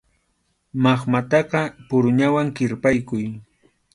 Maqmataqa puruñawan kirpaykuy.